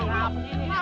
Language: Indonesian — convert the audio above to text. ada apa sih